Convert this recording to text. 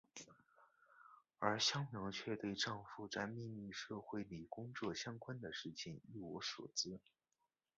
而香苗却对丈夫在秘密社会里工作相关的事情一无所知。